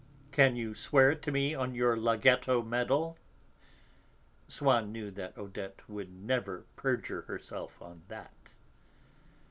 "Can you swear it to me on your Laghetto medal?" Swann knew that Odette would never perjure herself on that.